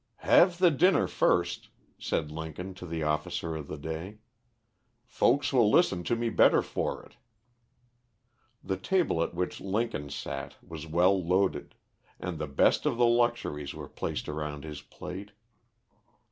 "Have the dinner first," said Lincoln to the officer of the day: "Folks will listen to me better for it." The table at which Lincoln sat was well loaded; and the best of the luxuries were placed around his plate.